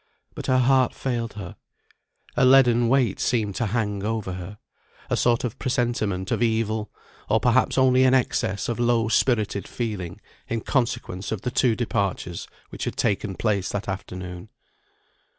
But her heart failed her. A leaden weight seemed to hang over her; a sort of presentiment of evil, or perhaps only an excess of low spirited feeling in consequence of the two departures which had taken place that afternoon.